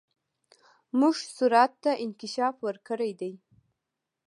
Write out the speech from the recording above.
موږ سرعت ته انکشاف ورکړی دی.